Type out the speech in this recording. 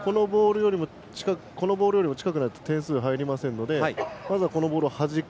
このボールよりも近くないと点数が入りませんのでまずはこのボールをはじく。